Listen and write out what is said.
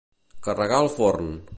Carregar el forn.